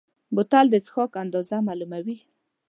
بوتل د څښاک اندازه معلوموي.